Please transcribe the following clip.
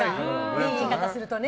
いい言い方するとね。